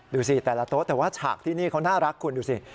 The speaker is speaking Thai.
ดูสิแต่ละโต๊ะแต่ว่าฉากที่นี่เขาน่ารักคุณดูสิ